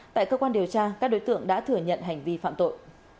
tại cơ quan điều tra các đối tượng đã thừa nhận hành vi phạm tội